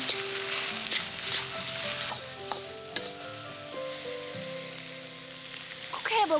hah oh nasi goreng yes bener